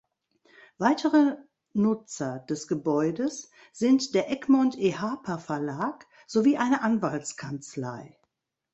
Weitere Nutzer des Gebäudes sind der Egmont Ehapa Verlag sowie eine Anwaltskanzlei.